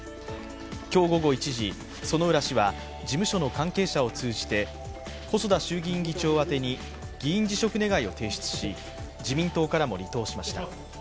今日午後１時、薗浦氏事務所の関係者を通じて細田衆議院議長宛てに議員辞職願を提出し、自民党からも離党しました。